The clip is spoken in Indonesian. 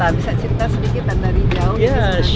bisa cerita sedikit dan dari jauh ya